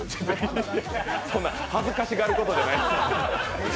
そんな、恥ずかしがることじゃない。